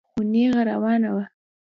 خو نېغه روانه وه.